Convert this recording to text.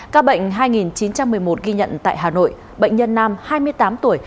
ca bệnh hai chín trăm một mươi một ghi nhận tại hà nội bệnh nhân nam hai mươi tám tuổi